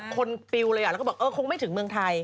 ปิวเลยแล้วก็บอกเออคงไม่ถึงเมืองไทย